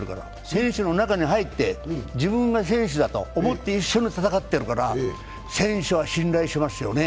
選手の中に入って自分が選手だと思って一緒に戦ってるから、選手は信頼しますよね。